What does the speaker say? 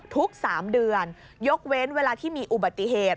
ทุก๓เดือนยกเว้นเวลาที่มีอุบัติเหตุ